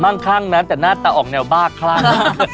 ม่ั่งขั้งนะแต่หน้าตาออกแนวบ้าคร่าว